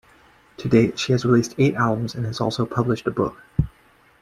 To date, she has released eight albums and has also published a book.